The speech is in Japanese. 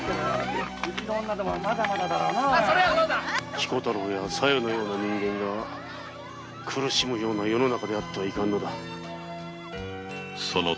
彦太郎や小夜のような人間が苦しむような世の中であってはいけないのだ。